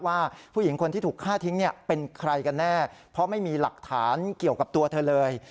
ว่าผู้หญิงคนที่ถูกฆ่าทิ้งเนี่ยเป็นใครกันแน่เพราะไม่มีหลักฐานเกี่ยวกับตัวเธอเลย